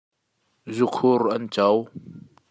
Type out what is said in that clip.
Zu khur an co.